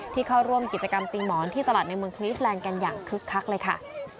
เข้าร่วมกิจกรรมตีหมอนที่ตลาดในเมืองคลีสแลนด์กันอย่างคึกคักเลยค่ะ